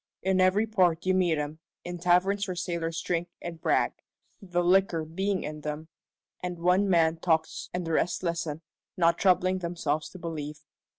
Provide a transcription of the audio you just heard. In every port you meet 'em, in taverns where sailors drink and brag the liquor being in them and one man talks and the rest listen, not troubling themselves to believe.